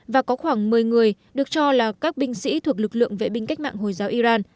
và có khoảng một mươi người được cho là các binh sĩ thuộc lực lượng vệ binh cách mạng hồi giáo iran